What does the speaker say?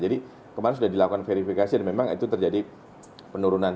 jadi kemarin sudah dilakukan verifikasi dan memang itu terjadi penurunan